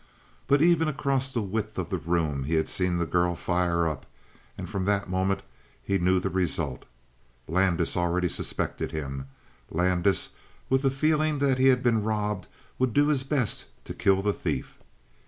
But even across the width of the room he had seen the girl fire up, and from that moment he knew the result. Landis already suspected him; Landis, with the feeling that he had been robbed, would do his best to kill the thief.